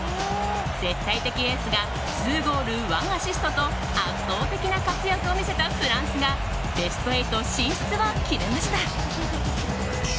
絶対的エースが２ゴール１アシストと圧倒的な活躍を見せたフランスがベスト８進出を決めました。